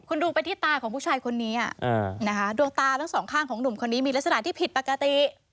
คุณดูไปที่ตาของผู้ชายคนนี้นะคะดวงตาทั้งสองข้างของหนุ่มคนนี้มีลักษณะที่ผิดปกติ